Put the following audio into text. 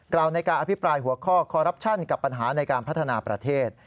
ในการอภิปรายหัวข้อคอรัปชั่นกับปัญหาในการพัฒนาประเทศ